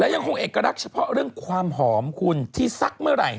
ยังคงเอกลักษณ์เฉพาะเรื่องความหอมคุณที่สักเมื่อไหร่